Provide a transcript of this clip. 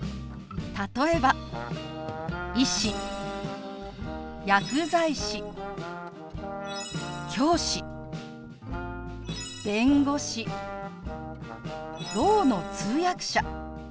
例えば「医師」「薬剤師」「教師」「弁護士」「ろうの通訳者」